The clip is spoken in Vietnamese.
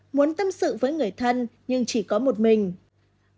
muốn tâm sự với người thân nhưng chỉ có một mình